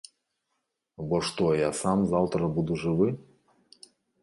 Або што я сам заўтра буду жывы?